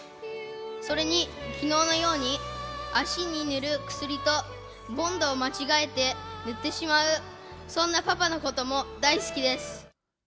それにきのうのように足に塗る薬とボンドを間違えて塗ってしまう、そんなパパのことも大好きです。